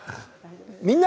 「みんな！